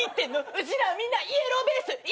うちらはみんなイエローベースイエベやねん。